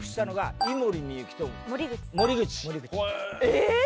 えっ！？